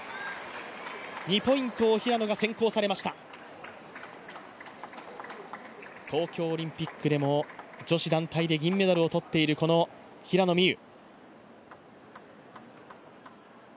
２ポイントを平野が先行されました東京オリンピックでも女子団体で銀メダルを取っている平野美宇。